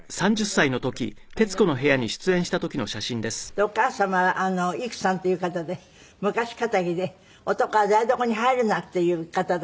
でお母様はイクさんという方で昔気質で男は台所に入るな！っていう方だった。